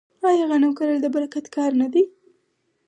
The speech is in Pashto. آیا غنم کرل د برکت کار نه دی؟